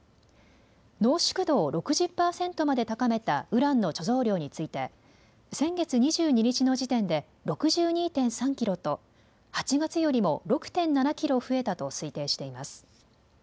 濃縮度を６０％まで高めたウランの貯蔵量について先月２２日の時点で６２．３キロと８月よりも６．７キロ増えたと推定しています。